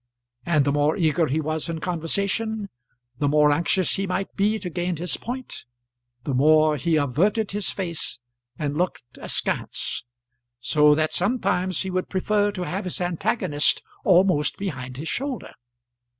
And the more eager he was in conversation the more anxious he might be to gain his point, the more he averted his face and looked askance; so that sometimes he would prefer to have his antagonist almost behind his shoulder.